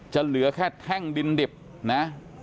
เหลือแค่แท่งดินดิบนะ